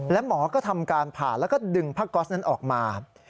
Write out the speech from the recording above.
และหมอก็ทำการผ่าแล้วก็ดึงผ้าก๊อสนั้นออกมา